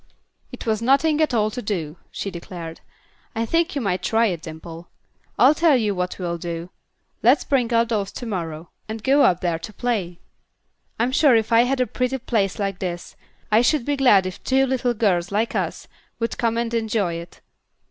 "It was nothing at all to do," she declared. "I think you might try it, Dimple. I'll tell you what we'll do: let's bring our dolls to morrow, and go up there and play. I'm sure if I had a pretty place like this, I should be glad if two little girls, like us, could come and enjoy it.